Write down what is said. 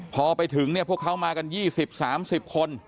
พอไปถึงพวกเขามากัน๒๐๓๐คน